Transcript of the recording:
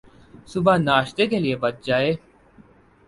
صبح ناشتے کے لئے بچ جائیں